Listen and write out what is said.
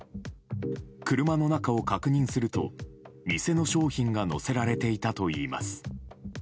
車の中を確認すると店の商品が載せられていたといいます。